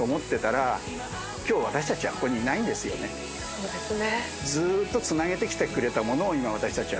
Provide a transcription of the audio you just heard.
そうですね。